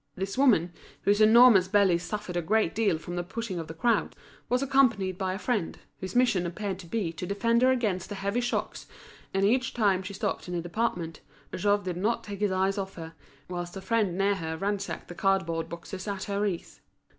This woman, whose enormous belly suffered a great deal from the pushing of the crowd, was accompanied by a friend, whose mission appeared to be to defend her against the heavy shocks, and each time she stopped in a department, Jouve did not take his eyes off her, whilst her friend near her ransacked the card board boxes at her ease.